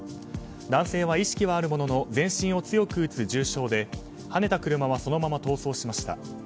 男性は意識はあるものの全身を強く打つ重傷ではねた車はそのまま逃走しました。